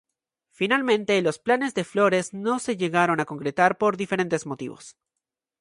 Finalmente los planes de Flores no se llegaron a concretar por diferentes motivos.